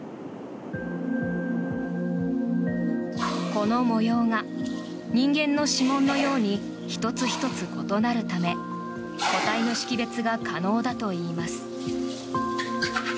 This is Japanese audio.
この模様が人間の指紋のように１つ１つ異なるため個体の識別が可能だといいます。